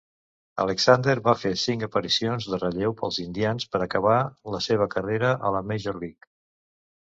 Alexander va fer cinc aparicions de relleu pels Indians per acabar la seva carrera a la Major League.